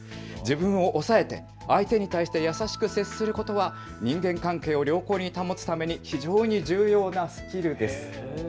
自分を抑えて相手に対して優しく接することは人間関係を良好に保つために非常に重要なスキルです。